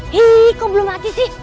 hii kok belum mati sih